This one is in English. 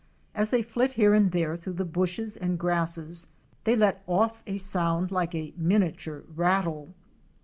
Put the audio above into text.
As they flit here and there through the bushes and grasses, they let off a sound like a miniature rattle.